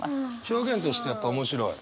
表現としてやっぱ面白い？